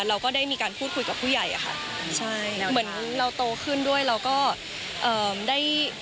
เราก็ได้มีการพูดคุยกับผู้ใหญ่อะค่ะ